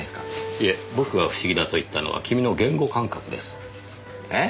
いえ僕が不思議だと言ったのは君の言語感覚です。え？